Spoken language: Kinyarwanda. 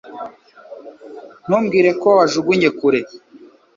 Ntumbwire ko wajugunye kure